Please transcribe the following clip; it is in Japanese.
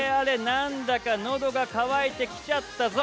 なんだかのどが渇いてきちゃったぞ。